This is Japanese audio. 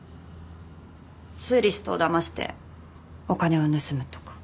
ツーリストをだましてお金を盗むとか。